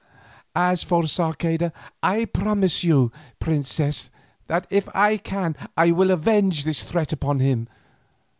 "As for Sarceda, I promise you, princess, that if I can I will avenge this threat upon him.